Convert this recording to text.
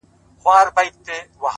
زړه مي در سوځي چي ته هر گړی بدحاله یې،